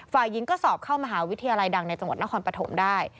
ฝ่ายหญิงก็สอบเข้ามหาวิทยาลัยดังในจังหวัดนครปฐมได้